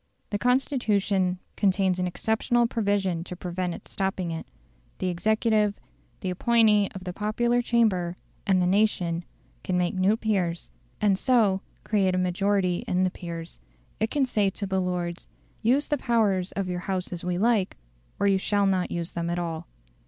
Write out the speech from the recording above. The Constitution contains an exceptional provision to prevent it stopping it. The executive, the appointee of the popular chamber and the nation, can make new peers, and so create a majority in the peers; it can say to the Lords, "Use the powers of your House as we like, or you shall not use them at all.